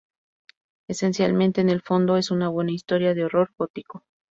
Esencialmente en el fondo, es una buena historia de horror gótico.